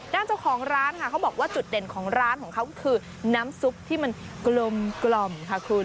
เจ้าของร้านค่ะเขาบอกว่าจุดเด่นของร้านของเขาก็คือน้ำซุปที่มันกลมค่ะคุณ